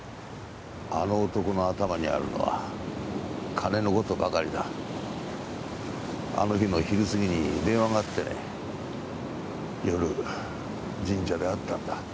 あの男の頭にあるのは金のことばかりだあの日の昼過ぎに電話があってね夜神社で会ったんだ